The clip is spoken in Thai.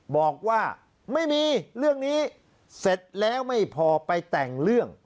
บอกว่าไม่มีเรื่องนี้เสร็จแล้วไม่พอไปแต่งเรื่อง